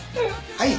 はい。